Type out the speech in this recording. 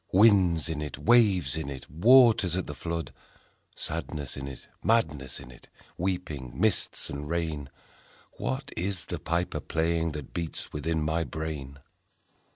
â€" Winds in it , Waves in it, Waters at the flood ; Sadness in it, Madness in it, Weeping mists and rain â€" â– What is the piper playing That beats within my brain